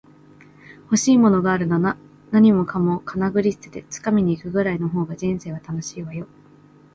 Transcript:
欲しいものがあるなら、何もかもかなぐり捨てて掴みに行くぐらいの方が人生は楽しいわよ